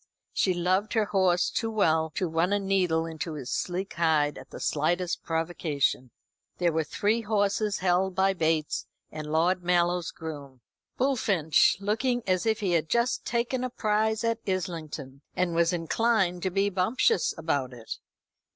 She loved her horse too well to run a needle into his sleek hide at the slightest provocation. There were three horses, held by Bates and Lord Mallow's groom. Bullfinch, looking as if he had just taken a prize at Islington and was inclined to be bumptious about it.